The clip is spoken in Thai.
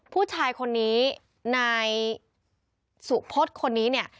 ผู้ชายคนนี้นายสุพศคนนี้เนี่ย